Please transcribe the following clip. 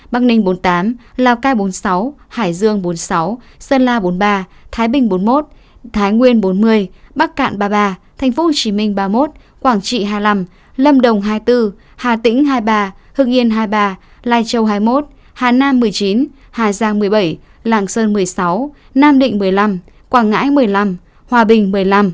bắc ninh bốn mươi tám lào cai bốn mươi sáu hải dương bốn mươi sáu sơn la bốn mươi ba thái bình bốn mươi một thái nguyên bốn mươi bắc cạn ba mươi ba thành phố hồ chí minh ba mươi một quảng trị hai mươi năm lâm đồng hai mươi bốn hà tĩnh hai mươi ba hương yên hai mươi ba lai châu hai mươi một hà nam một mươi chín hà giang một mươi bảy lạng sơn một mươi sáu nam định một mươi năm quảng ngãi một mươi năm hòa bình một mươi năm